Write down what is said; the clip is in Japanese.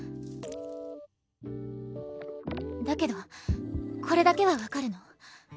だけどこれだけはわかるの。